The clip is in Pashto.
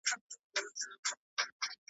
دجهان پر مخ ځليږي .